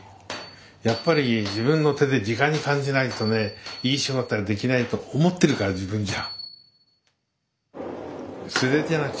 やっぱり自分の手でじかに感じないとねいい仕事ができないと思ってるから自分じゃ。